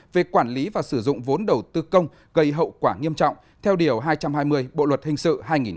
về quản lý và sử dụng vốn đầu tư công gây hậu quả nghiêm trọng theo điều hai trăm hai mươi bộ luật hình sự hai nghìn một mươi năm